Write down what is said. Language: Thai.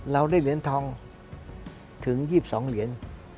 เราได้เหรียญทองถึง๒๒เหรียญ